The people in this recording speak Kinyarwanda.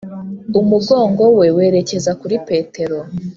umugongo we werekeza kuri petero,